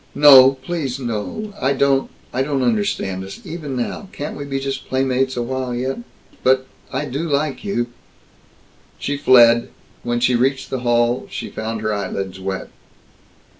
"No! Please no! I don't I don't understand us, even now. Can't we be just playmates a while yet? But I do like you!" She fled. When she reached the hall she found her eyelids wet.